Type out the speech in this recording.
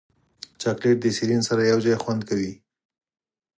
چاکلېټ د سیرین سره یوځای خوند کوي.